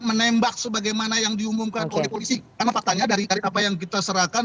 menembak sebagaimana yang diumumkan oleh polisi karena faktanya dari apa yang kita serahkan